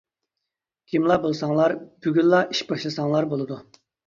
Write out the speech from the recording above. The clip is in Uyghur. كىملا بولساڭلا بۈگۈنلا ئىش باشلىساڭلار بولىدۇ.